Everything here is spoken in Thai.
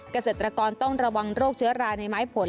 เกษตรกรต้องระวังโรคเชื้อราในไม้ผล